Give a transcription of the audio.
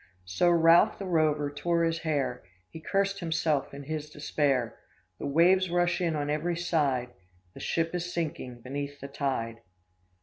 Sir Ralph the Rover tore his hair; He curst himself in his despair; The waves rush in on every side, The ship is sinking beneath the tide."